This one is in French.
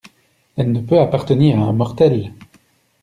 Elle ne peut appartenir à un mortel!